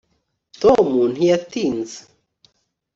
tom ntiyatinze